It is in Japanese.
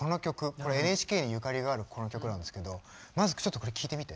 これＮＨＫにゆかりがあるこの曲なんですけどまずちょっとこれ聴いてみて。